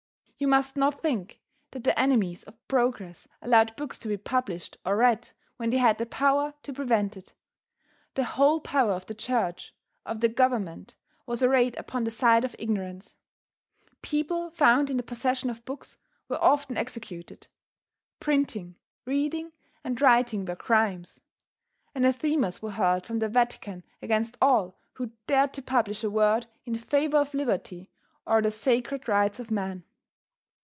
You must not think that the enemies of progress allowed books to be published or read when they had the power to prevent it. The whole power of the church, of the government, was arrayed upon the side of ignorance. People found in the possession of books were often executed. Printing, reading and writing were crimes. Anathemas were hurled from the Vatican against all who dared to publish a word in favor of liberty or the sacred rights of man.